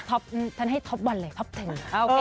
ท็อปท์ทันให้ท็อปท์๑เลย